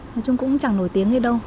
nói chung cũng chẳng nổi tiếng gì đâu